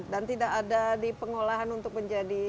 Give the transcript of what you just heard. tidak ada di pengolahan untuk menjadi